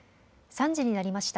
３時になりました。